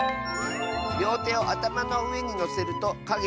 「りょうてをあたまのうえにのせるとかげ